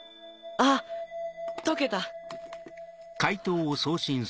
あっ解けた！